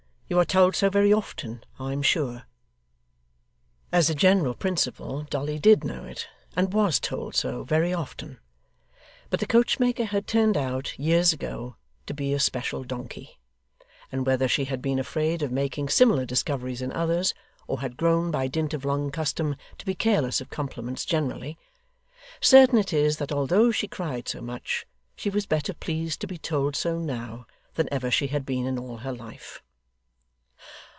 You are told so very often, I am sure.' As a general principle, Dolly DID know it, and WAS told so, very often. But the coachmaker had turned out, years ago, to be a special donkey; and whether she had been afraid of making similar discoveries in others, or had grown by dint of long custom to be careless of compliments generally, certain it is that although she cried so much, she was better pleased to be told so now, than ever she had been in all her life.